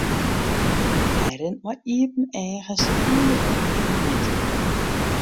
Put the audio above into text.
Hy rint mei iepen eagen syn ûndergong yn 'e mjitte.